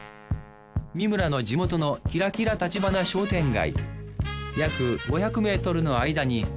三村の地元のキラキラ橘商店街